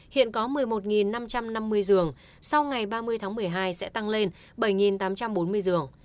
hiện có một mươi một năm trăm năm mươi giường sau ngày ba mươi tháng một mươi hai sẽ tăng lên bảy tám trăm bốn mươi giường